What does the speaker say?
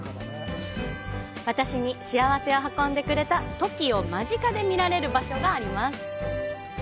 私に幸せを運んでくれたトキを間近で見られる場所があります。